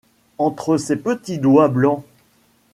Entre ses petits doigts blancs.